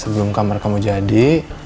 sebelum kamar kamu jadi